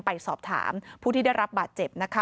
ไปสอบถามผู้เธอได้รับบาดเจ็บ